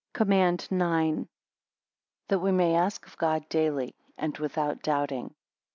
COMMAND IX. That we must ask of God daily; and without doubting.